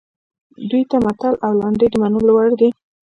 دوی ته متل او لنډۍ د منلو وړ دي